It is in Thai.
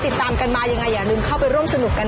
ติดตามกันมายังไงอย่าลืมเข้าไปร่วมสนุกกัน